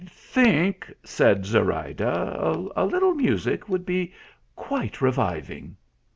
1 think," said Zorayda, "a little nrisic would be quite reviving."